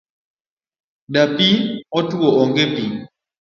Dapi otuo onge pi .